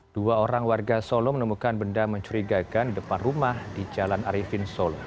dua orang warga solo menemukan benda mencurigakan di depan rumah di jalan arifin solo